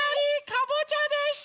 かぼちゃでした！